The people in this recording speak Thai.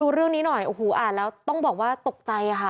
รู้เรื่องนี้หน่อยอ่าแล้วต้องบอกว่าตกใจค่ะ